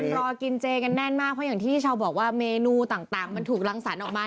รอกินเจกันแน่นมากเพราะอย่างที่ชาวบอกว่าเมนูต่างมันถูกรังสรรค์ออกมา